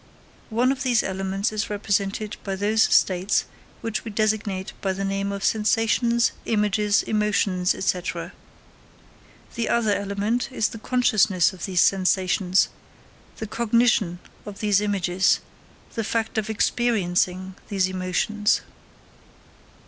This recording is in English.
One of these elements is represented by those states which we designate by the name of sensations, images, emotions, &c. the other element is the consciousness of these sensations, the cognition of these images, the fact of experiencing these emotions.